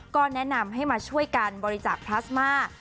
ก็แนะนำให้มาช่วยกันบริจาคพลาสมา